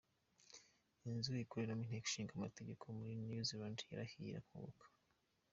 inzu ikoreramo inteko ishinga amategeko muri New Zealand yarahiye irakongoka.